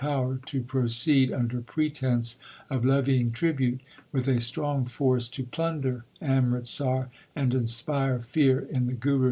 34 THE SIKH RELIGION to proceed, under pretence of levying tribute, with a strong force to plunder Amritsar and inspire fear in the Guru.